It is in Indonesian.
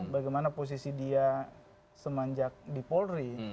bagaimana posisi dia semanjak di polri